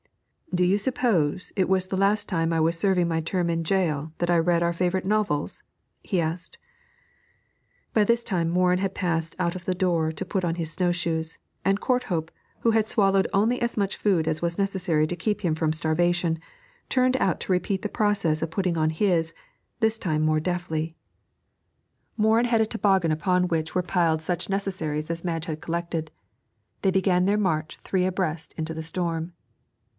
'Do you suppose it was the last time I was serving my term in gaol that I read our favourite novels?' he asked. By this time Morin had passed out of the door to put on his snow shoes, and Courthope, who had swallowed only as much food as was necessary to keep him from starvation, turned out to repeat the process of putting on his, this time more deftly. Morin had a toboggan upon which were piled such necessaries as Madge had collected. They began their march three abreast into the storm.